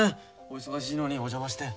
お忙しいのにお邪魔して。